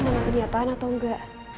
dengan kenyataan atau nggak